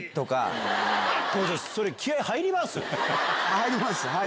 入ります。